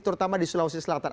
terutama di sulawesi selatan